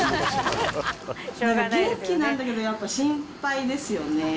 元気なんだけど、やっぱり心配ですよね。